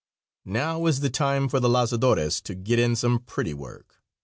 Now is the time for the lazadores to get in some pretty work.